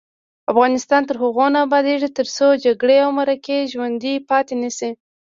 افغانستان تر هغو نه ابادیږي، ترڅو جرګې او مرکې ژوڼدۍ پاتې نشي.